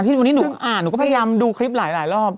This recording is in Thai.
วันนี้หนูอ่านหนูก็พยายามดูคลิปหลายรอบ